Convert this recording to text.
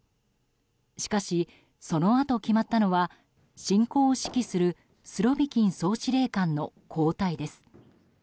しかし、そのあと決まったのは侵攻を指揮するスロビキン総司令官の交代です。